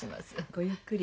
ごゆっくり。